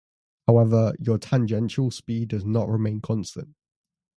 However, your tangential speed does not remain constant.